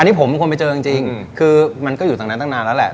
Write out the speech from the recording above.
อันนี้ผมเป็นคนไปเจอจริงคือมันก็อยู่ตรงนั้นตั้งนานแล้วแหละ